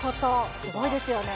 すごいですよね。